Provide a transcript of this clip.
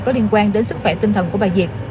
có liên quan đến sức khỏe tinh thần của bà diệp